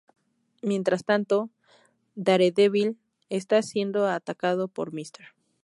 Mientras tanto, Daredevil está siendo atacado por Mr.